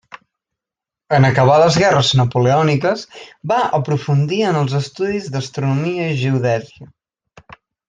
En acabar les guerres napoleòniques va aprofundir en els estudis d'astronomia i geodèsia.